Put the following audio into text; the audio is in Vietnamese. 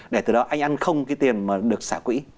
để từ đó anh ăn không cái tiền mà được xả quỹ